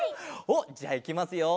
おっじゃあいきますよ。